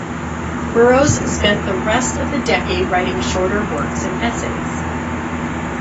Burroughs spent the rest of the decade writing shorter works and essays.